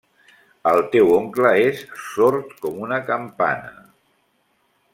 El teu oncle és sord com una campana.